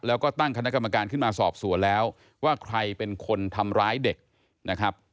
แล้วก็ตั้งคณะกรรมการขึ้นมาสอบสวนแล้วว่าใครเป็นคนทำร้ายเด็กนะครับ